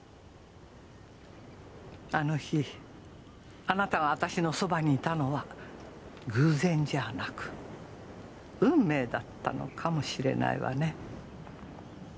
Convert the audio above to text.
あの日あなたが私のそばにいたのは偶然じゃなく運命だったのかもしれないわね。